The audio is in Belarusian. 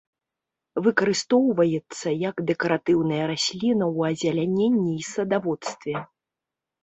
Выкарыстоўваецца як дэкаратыўная расліна ў азеляненні і садаводстве.